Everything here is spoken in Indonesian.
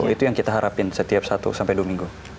itu yang kita harapin setiap satu sampai dua minggu